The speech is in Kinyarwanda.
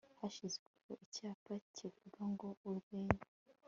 hashyizweho icyapa kivuga ngo urwenya